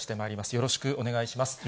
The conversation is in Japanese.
よろしくお願いします。